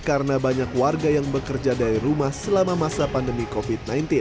sehingga kebanyakan warga yang bekerja di rumah selama masa pandemi covid sembilan belas